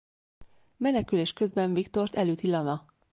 Menekülés közben Victor-t elüti Lana.